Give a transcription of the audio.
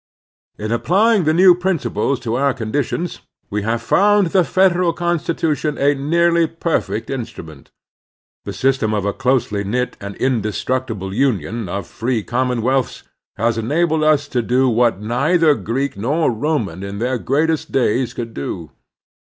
In applying the new principles to our conditions we have foimd the Federal Constitution a nearly perfect instrument. The system of a closely knit and indestructible imion of free commonwealths has enabled us to do what neither Greek nor Roman in their greatest days could do.